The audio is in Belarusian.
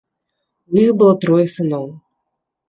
У іх было трое сыноў.